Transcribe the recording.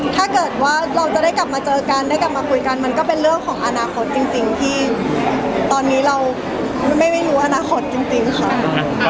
ถ้าเกิดว่าเราจะได้กลับมาเจอกันได้กลับมาคุยกันมันก็เป็นเรื่องของอนาคตจริงที่ตอนนี้เราไม่รู้อนาคตจริงค่ะ